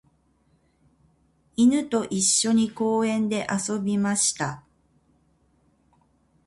犬と一緒に公園で遊びました。